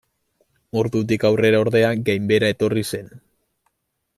Ordutik aurrera ordea gainbehera etorri zen.